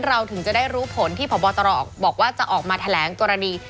เราถึงจะได้รู้ผลที่พบตรออกบอกว่าจะออกมาแถลงตรฐานี